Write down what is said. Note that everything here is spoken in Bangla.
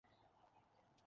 চেক করে দেখি?